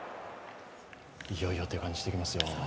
いよいよという感じがしてきますよ。